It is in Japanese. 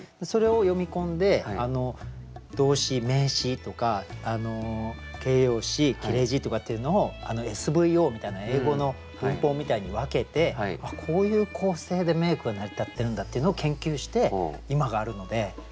それを読み込んで動詞名詞とか形容詞切れ字とかっていうのをＳＶＯみたいな英語の文法みたいに分けてこういう構成で名句が成り立ってるんだっていうのを研究して今があるので。